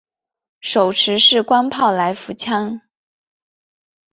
手持式光炮来福枪。